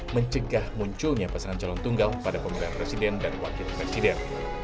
mencegah munculnya pasangan calon tunggal pada pemilihan presiden dan wakil presiden